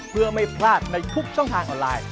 เพื่อไม่พลาดในทุกช่องทางออนไลน์